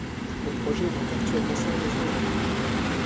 Le projet est donc actuellement sérieusement étudié.